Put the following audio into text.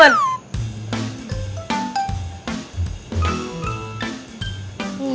ya gak temen temen